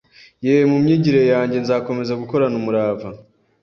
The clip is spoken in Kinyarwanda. Yeee! Mu myigire yange nzakomeza gukorana umurava